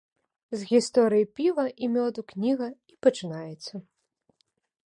З гісторыі піва і мёду кніга і пачынаецца.